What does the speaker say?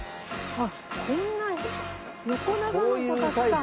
あっこんな横長のこたつか。